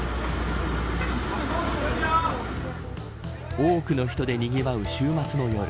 多くの人でにぎわう週末の夜